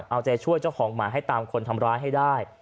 เอาใจช่วยเจ้าของหมาให้ตามคนทำร้ายให้ได้